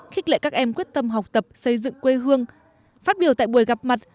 khích lệ các em quyết tâm học tập xây dựng quê hương phát biểu tại buổi gặp mặt